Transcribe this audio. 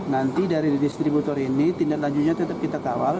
nanti dari distributor ini tindak lanjutnya tetap kita kawal